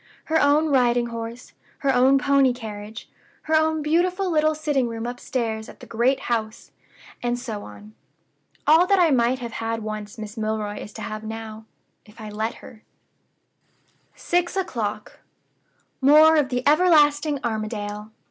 Her own riding horse; her own pony carriage; her own beautiful little sitting room upstairs at the great house, and so on. All that I might have had once Miss Milroy is to have now if I let her." "Six o'clock. More of the everlasting Armadale!